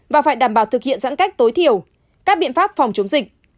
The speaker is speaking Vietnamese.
và phải đảm bảo thực hiện giãn cách tối thiểu các biện pháp phòng chống dịch